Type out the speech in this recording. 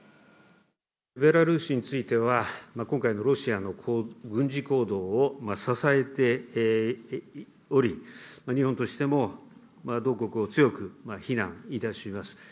ベラルーシについては、今回のロシアの軍事行動を支えており、日本としても、同国を強く非難いたします。